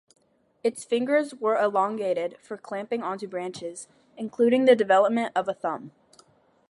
Its fingers were elongated for clamping onto branches, including the development of a thumb.